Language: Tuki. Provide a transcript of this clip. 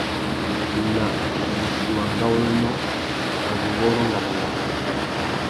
Nà wussi wa ngawôrénô, a zu wôrrô ngama naā.